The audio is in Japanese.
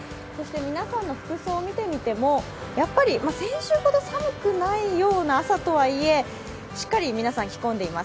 皆さんの服装を見てみても、やっぱり先週ほど寒くない朝とはいえ、しっかり皆さん着込んでいます。